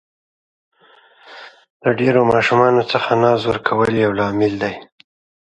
له ډېرو ماشومانو څخه ناز ورکول یو لامل دی.